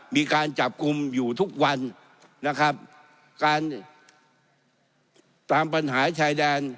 มีการจับกลุ่มอยู่ทุกวันนะครับการตามปัญหาชายแดน